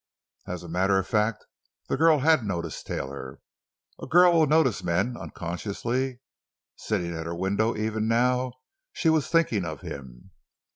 As a matter of fact the girl had noticed Taylor. A girl will notice men, unconsciously. Sitting at her window even now, she was thinking of him.